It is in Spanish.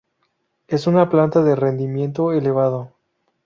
Es una planta de rendimiento elevado.